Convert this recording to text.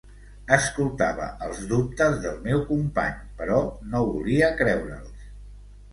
Escoltava els dubtes del meu company però no volia creure'ls.